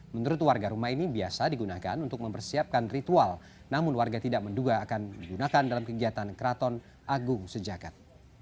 menurut warga rumah ini biasa digunakan untuk mempersiapkan ritual namun warga tidak menduga akan digunakan dalam kegiatan keraton agung sejagat